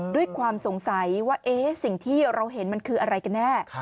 ด้วยความสงสัยว่าสิ่งที่เราเห็นมันคืออะไรกันแน่